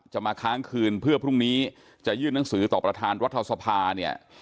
มาค้างคืนเพื่อพรุ่งนี้จะยื่นหนังสือต่อประธานรัฐสภาเนี่ย